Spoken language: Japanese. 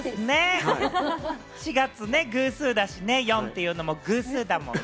４月ね、偶数だしね、「４」っていうのも偶数だもんね。